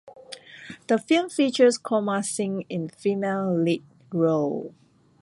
The film feature Komal Singh in female lead role.